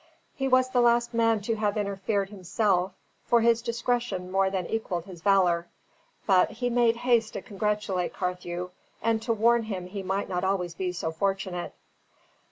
He was the last man to have interfered himself, for his discretion more than equalled his valour; but he made haste to congratulate Carthew, and to warn him he might not always be so fortunate.